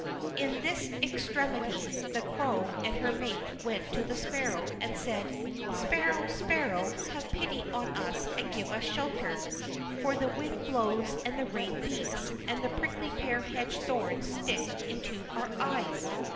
In this extremity the Crow and her mate went to the Sparrow, and said: "Sparrow, Sparrow, have pity on us and give us shelter, for the wind blows and the rain beats, and the prickly pear hedge thorns stick into our eyes."